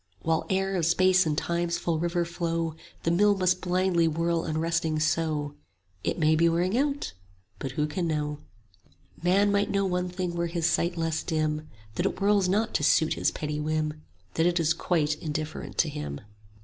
"While air of Space and Time's full river flow The mill must blindly whirl unresting so: 40 It may be wearing out, but who can know? "Man might know one thing were his sight less dim; That it whirls not to suit his petty whim, That it is quite indifferent to him.